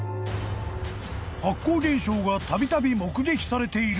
［発光現象がたびたび目撃されている山］